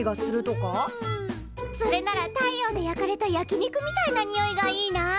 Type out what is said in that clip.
それなら太陽で焼かれた焼き肉みたいなにおいがいいな。